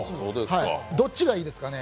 どっちがいいですかね。